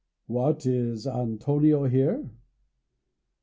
"What! is Antonio here?"